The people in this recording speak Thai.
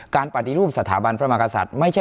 ปฏิรูปสถาบันพระมากษัตริย์